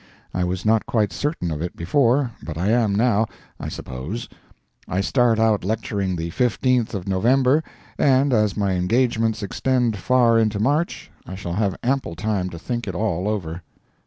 I was not quite certain of it before, but I am now, I suppose. I start out lecturing the 15th of November, and as my engagements extend far into March, I shall have ample time to think it all over.